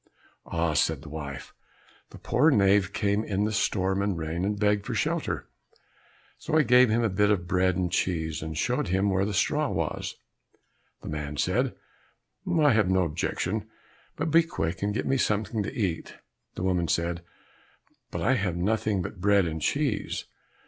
"Ah," said the wife, "the poor knave came in the storm and rain, and begged for shelter, so I gave him a bit of bread and cheese, and showed him where the straw was." The man said, "I have no objection, but be quick and get me something to eat." The woman said, "But I have nothing but bread and cheese."